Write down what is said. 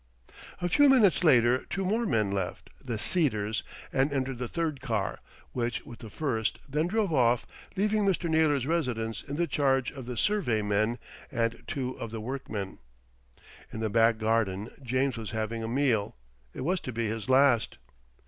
A few minutes later two more men left "The Cedars" and entered the third car, which with the first then drove off, leaving Mr. Naylor's residence in the charge of the "survey" men and two of the "workmen." In the back garden James was having a meal it was to be his last.